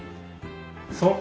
そう。